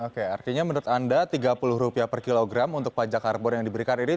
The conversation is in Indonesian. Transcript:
oke artinya menurut anda rp tiga puluh per kilogram untuk pajak karbon yang diberikan ini